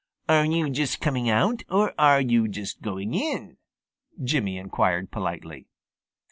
"Are you just coming out, or are you just going in?" Jimmy inquired politely.